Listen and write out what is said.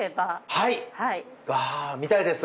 はい見たいです。